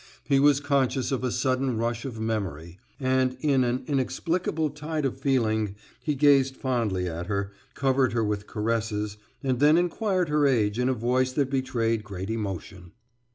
He was conscious of a sudden rush of memory, and in an inexplicable tide of feeling he gazed fondly at her, covered her with caresses, and then inquired her age in a voice that betrayed great emotion.